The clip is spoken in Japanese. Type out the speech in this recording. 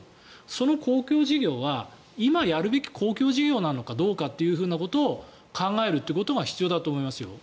その公共事業は今やるべき公共事業なのかどうかということを考えるということが必要だと思いますよ。